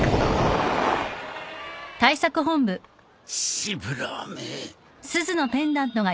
シブラーめ。